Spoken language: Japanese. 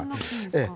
ええ。